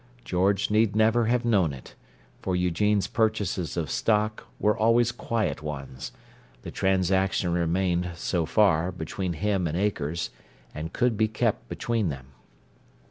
George need never have known it, for Eugene's purchases of stock were always quiet ones: the transaction remained, so far, between him and Akers, and could be kept between them.